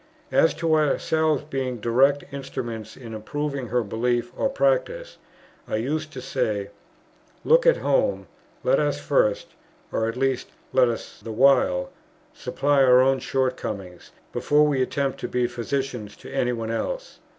As to ourselves being direct instruments in improving her belief or practice, I used to say, "Look at home; let us first, (or at least let us the while,) supply our own shortcomings, before we attempt to be physicians to any one else."